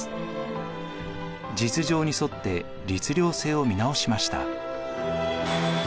実情に沿って律令制を見直しました。